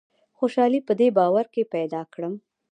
خوشالي په دې باور کې پیدا کړم.